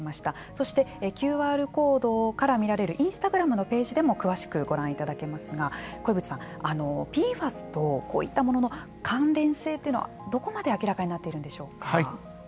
そして、ＱＲコードからみられるインスタグラムのページでも詳しくご覧いただけますが鯉淵さん、ＰＦＡＳとこういったものの関連性というのはどこまで明らかになっているんでしょうか。